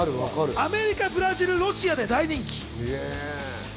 アメリカ、ブラジル、ロシアで大人気。